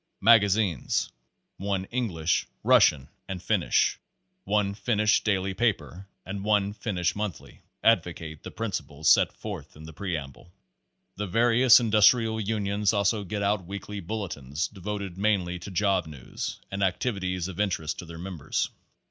Mag azines : one English, Russian and Finnish, one Finnish daily paper and one Finnish monthly, advocate the principles set forth in the preamble. The various Industrial Union's also get out weekly Bulletins devoted mainly to job news and activities of interest to their members.